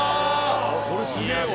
これすげぇわ。